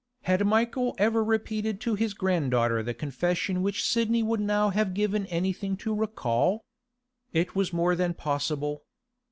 Had Michael ever repeated to his granddaughter the confession which Sidney would now have given anything to recall? It was more than possible.